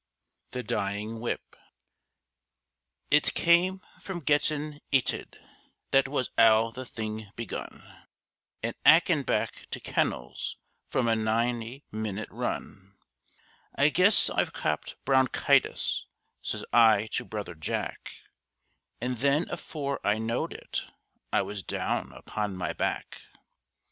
THE DYING WHIP It came from gettin' 'eated, that was 'ow the thing begun, And 'ackin' back to kennels from a ninety minute run; 'I guess I've copped brownchitis,' says I to brother Jack, An' then afore I knowed it I was down upon my back.